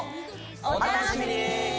お楽しみに。